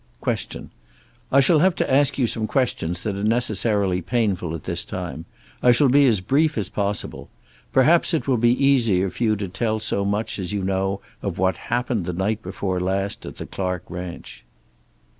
Q. "I shall have to ask you some questions that are necessarily painful at this time. I shall be as brief as possible. Perhaps it will be easier for you to tell so much as you know of what happened the night before last at the Clark ranch."